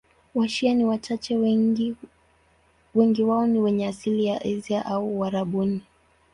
Washia ni wachache, wengi wao ni wenye asili ya Asia au Uarabuni.